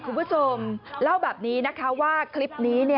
คุณผู้ชมเล่าแบบนี้นะคะว่าคลิปนี้